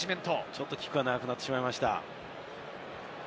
ちょっとキックが長くなってしまいました。